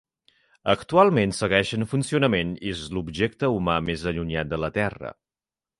Actualment segueix en funcionament i és l'objecte humà més allunyat de la Terra.